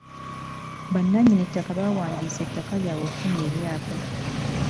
Bannannyini ttaka bawandiisa ettaka lyabwe okufuna ebyapa.